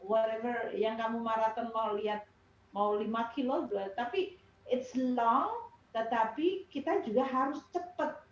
whatever yang kamu maraton mau lihat mau lima kilo tapi it's long tetapi kita juga harus cepat